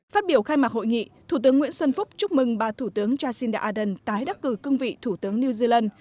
phát biểu khai mạc hội nghị thủ tướng nguyễn xuân phúc chúc mừng bà thủ tướng jacinda ardern tái đắc cử cương vị thủ tướng new zealand